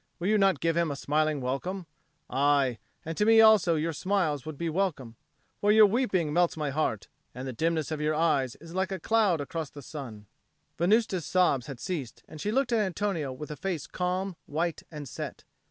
Will you not give him a smiling welcome? Aye, and to me also your smiles would be welcome. For your weeping melts my heart, and the dimness of your eyes is like a cloud across the sun." Venusta's sobs had ceased, and she looked at Antonio with a face calm, white, and set.